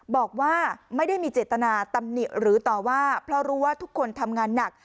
บอกว่าไม่ได้มีเจตนาตำหนิหรือต่อว่าเพราะรู้ว่าทุกคนทำงานหนัก